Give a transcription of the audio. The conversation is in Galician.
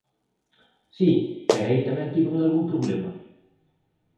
Si, pero aí tamén tiven algún problema.